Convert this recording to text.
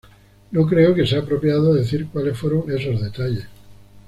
No creo que sea apropiado decir cuáles fueron esos detalles".